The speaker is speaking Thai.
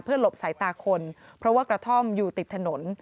หลบสายตาคนเพราะว่ากระท่อมอยู่ติดถนน